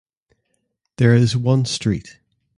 There is one street.